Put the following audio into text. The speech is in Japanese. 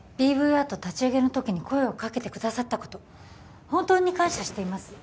アート立ち上げの時に声をかけてくださったこと本当に感謝しています